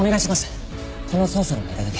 この捜査の間だけ。